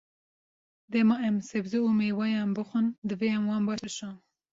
Dema em sebze û mêweyan bixwin, divê em wan baş bişon.